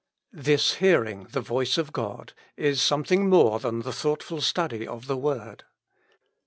This hearing the voice of God is something more than the thoughtful study of the Word.